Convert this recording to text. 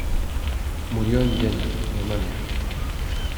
Murió en Jena, Alemania.